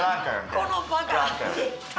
このバカ。